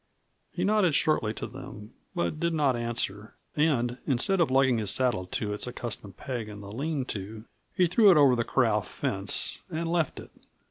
He nodded shortly to them, but did not answer. And instead of lugging his saddle to its accustomed peg in the lean to, he threw it over the corral fence and left it.